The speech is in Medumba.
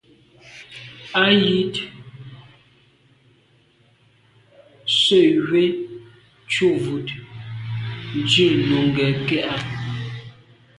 Á jíìt sə́ vhə̀ə́ thúvʉ́ dlíj Nùŋgɛ̀ kɛ́ɛ̀ á.